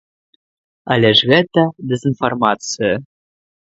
Але ж гэта дэзынфармацыя.